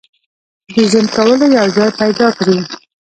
د ژوند کولو یو ځای پیدا کړي.